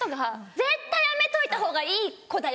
「絶対やめといたほうがいい子だよ